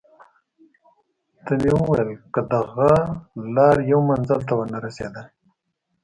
ته مې وویل: که دغه لار یو منزل ته ونه رسېدل.